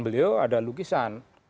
beliau ada lukisan